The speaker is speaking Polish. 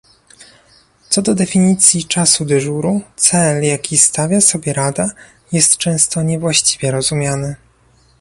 Co do definicji czasu dyżuru, cel, jaki stawia sobie Rada, jest często niewłaściwie rozumiany